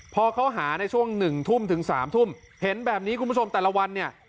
พอเขาหาในช่วง๑ทุ่มถึง๓ทุ่มเห็นแบบนี้คุณผู้ชมแต่ละวันเนี่ย